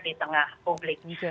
di tengah publik